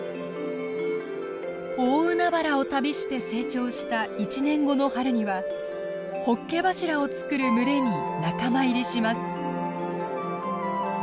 大海原を旅して成長した１年後の春にはホッケ柱を作る群れに仲間入りします。